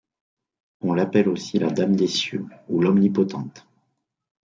On l'appelle aussi la Dame des Cieux, ou l'Omnipotente.